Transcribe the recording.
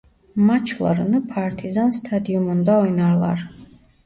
Maçlarını Partizan Stadyumu'nda oynarlar.